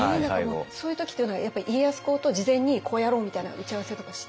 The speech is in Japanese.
そういう時っていうのはやっぱ家康公と事前に「こうやろう」みたいな打ち合わせとかして？